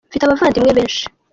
mfite abavandimwe benshi.